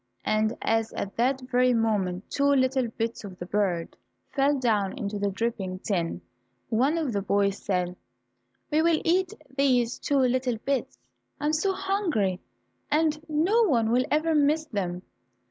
And as at that very moment two little bits of the bird fell down into the dripping tin, one of the boys said, "We will eat these two little bits; I am so hungry, and no one will ever miss them."